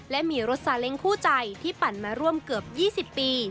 และมีรถซาเล้งคู่ใจที่ปั่นมาร่วมเกือบ๒๐ปี